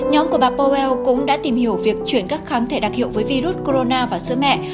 nhóm của bà powell cũng đã tìm hiểu việc chuyển các kháng thể đặc hiệu với virus corona vào sữa mẹ